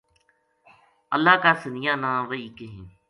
اللہ کا سنیاہ نا وحی کہیں۔